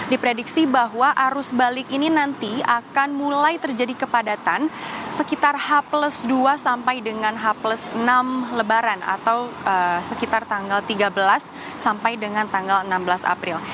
diprediksi bahwa arus balik ini nanti akan mulai terjadi kepadatan sekitar h dua sampai dengan h enam lebaran atau sekitar tanggal tiga belas sampai dengan tanggal enam belas april